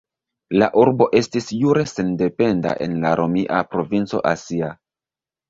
La urbo estis jure sendependa en la romia provinco Asia.